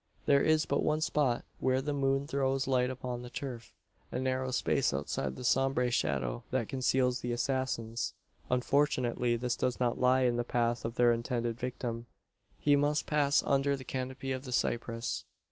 There is but one spot where the moon throws light upon the turf a narrow space outside the sombre shadow that conceals the assassins. Unfortunately this does not lie in the path of their intended victim. He must pass under the canopy of the cypress!